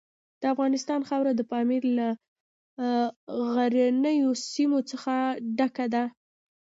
د افغانستان خاوره د پامیر له غرنیو سیمو څخه ډکه ده.